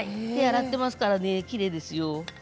手は洗っていますからねきれいですよ。